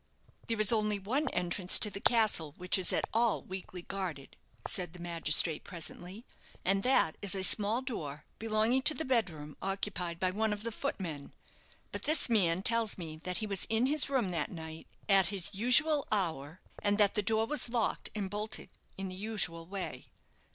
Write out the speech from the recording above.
"There is only one entrance to the castle which is at all weakly guarded," said the magistrate, presently; "and that is a small door belonging to the bed room occupied by one of the footmen. But this man tells me that he was in his room that night at his usual hour, and that the door was locked and bolted in the usual way."